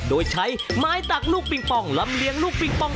โดยใช้ไม้ตักลูกปิงปองลำเลี้ยลูกปิงปอง